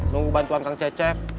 nunggu bantuan kang cecep